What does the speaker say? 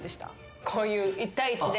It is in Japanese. こういう１対１で。